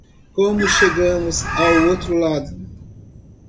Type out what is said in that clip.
Como chegamos ao outro lado?